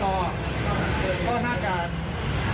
ก็น่าจะโดนตรงสิริเยอะแหละ